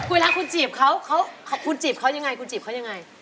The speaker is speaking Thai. เวลาคุณจีบเขาคุณจีบเขายังไงคุณจีบเขายังไง